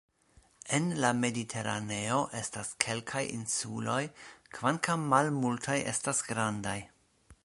En la Mediteraneo estas kelkaj insuloj kvankam malmultaj estas grandaj.